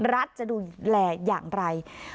รัฐจะดูแหล่อย่างไร